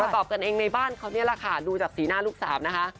ตอบกันเองในบ้านเขานี่แหละค่ะดูจากสีหน้าลูกสาวนะคะ